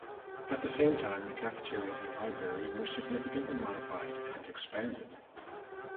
At the same time the cafeteria and library were significantly modified and expanded.